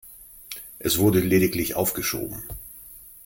Es wurde lediglich aufgeschoben.